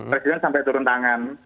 presiden sampai turun tangan